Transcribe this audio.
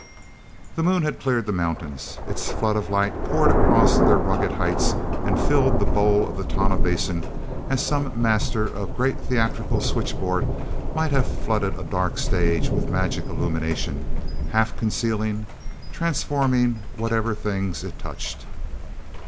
The moon had cleared the mountains; its flood of light poured across their rugged heights and filled the bowl of Tonah Basin as some master of a great theatrical switchboard might have flooded a dark stage with magic illumination, half concealing, transforming whatever things it touched.